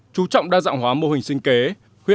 chú trọng đa dạng hóa mô hình sinh kế